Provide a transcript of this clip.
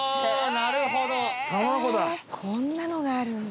賀来：こんなのがあるんだ。